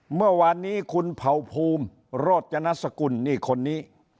เมื่อวานนี้คุณเผ่าภูมิโรจนสกุลนี่คนนี้